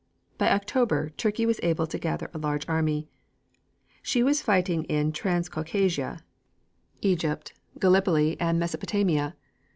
By October, Turkey was able to gather a large army. She was fighting in Transcaucasia, Egypt, Gallipoli and Mesopotamia.